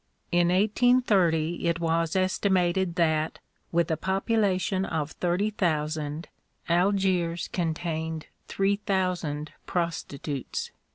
In 1830 it was estimated that, with a population of thirty thousand, Algiers contained three thousand prostitutes.